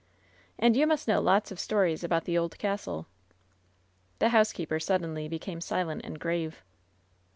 "And you must know lots of stories about the old castle." The housekeeper suddenly became silent and grave. "And.